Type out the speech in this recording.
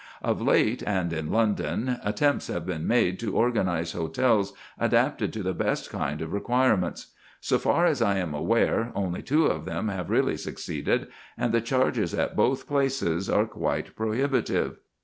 Of late and in London attempts have been made to organise hotels adapted to the best kind of requirement. So far as I am aware, only two of them have really succeeded, and the charges at both places are quite prohibitive.